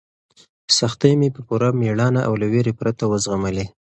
سختۍ مې په پوره مېړانه او له وېرې پرته وزغملې.